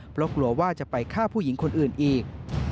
เพราะกลัวว่าจะไปฆ่าผู้หญิงคนอื่นอีก